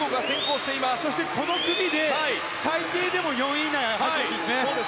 そして、この組で最低でも４位以内に入ってほしいです。